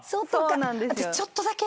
私ちょっとだけ。